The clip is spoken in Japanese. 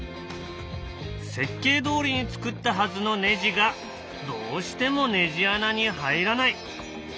設計どおりに作ったはずのネジがどうしてもネジ穴に入らない。